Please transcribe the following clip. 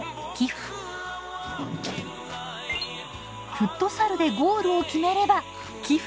フットサルでゴールを決めれば寄付。